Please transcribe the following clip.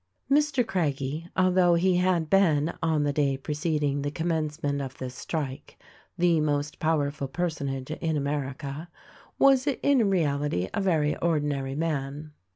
Mr. Craggie, although he had been, on the day preceding the commencement of this strike, the most powerful per sonage in America, was in reality a very ordinary man.